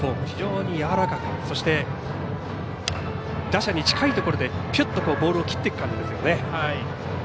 非常にやわらかく、そして打者に近いところでぴゅっとボールを切ってくる感じですね。